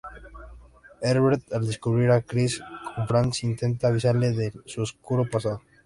Herbert, al descubrir a Chris con Franz intenta avisarle de su oscuro pasado.